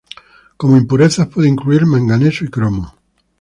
Como impurezas puede incluir manganeso y cromo.